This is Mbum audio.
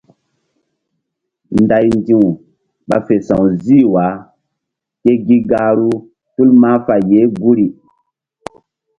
Nday ndi̧w ɓa fe sa̧w zih wa ke gi gahru tul mahfay ye guri.